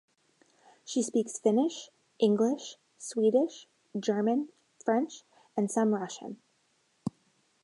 She speaks Finnish, English, Swedish, German, French and some Russian.